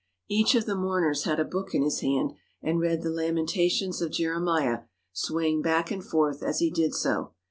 Each of the mourners had a book in his hand and read the Lamentations of Jeremiah, swaying back and forth as he did so.